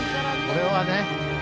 これはね。